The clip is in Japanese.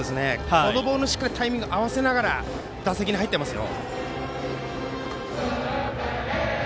このボールにタイミングをしっかり合わせながら打席に入っていますよ。